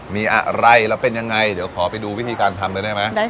มีอะไรแล้วเป็นยังไงเดี๋ยวขอไปดูวิธีการทำเลยได้ไหม